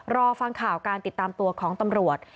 รอฟังข่าวการติดตามตัวของตำรวจ